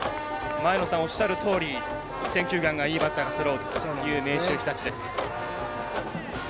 前野さん、おっしゃるとおり選球眼がいいバッターがそろうという明秀日立です。